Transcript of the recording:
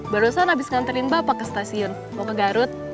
barusan habis nganterin bapak ke stasiun mau ke garut